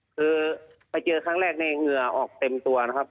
คือไปเจอครั้งแรกในเหงื่อออกเต็มตัวนะครับ